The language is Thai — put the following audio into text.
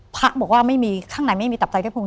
พักบอกว่าไม่มีข้างในไม่มีตับตายกระพรุง